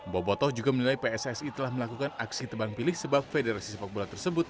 bobotoh juga menilai pssi telah melakukan aksi tebang pilih sebab federasi sepak bola tersebut